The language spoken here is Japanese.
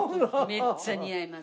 めっちゃ似合います。